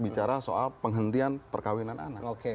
bicara soal penghentian perkawinan anak